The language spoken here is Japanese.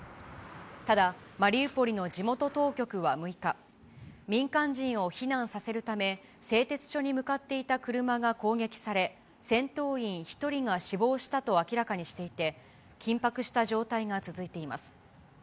ただ、マリウポリの地元当局は６日、民間人を避難させるため、製鉄所に向かっていた車が攻撃され、戦闘員１人が死亡したと明らかにしていて、緊迫した状態が続いています。